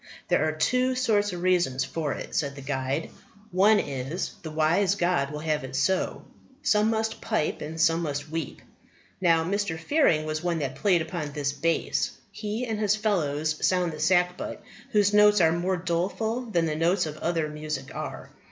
"There are two sorts of reasons for it," said the guide; "one is, the wise God will have it so: some must pipe and some must weep. Now, Mr. Fearing was one that played upon this base. He and his fellows sound the sackbut, whose notes are more doleful than the notes of other music are.